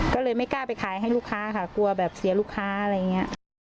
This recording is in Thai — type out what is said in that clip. ก็เลยไม่กล้าไปขายให้ลูกค้าค่ะกลัวแบบเสียลูกค้าอะไรอย่างนี้